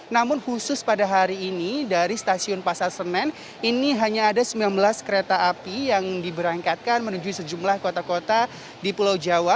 namun khusus pada hari ini dari stasiun pasar senen ini hanya ada sembilan belas kereta api yang diberangkatkan menuju sejumlah kota kota di pulau jawa